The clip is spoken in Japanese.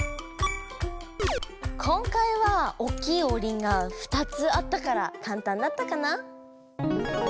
今回は大きいオウリンが２つあったからかんたんだったかな。